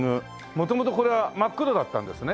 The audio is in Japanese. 元々これは真っ黒だったんですね？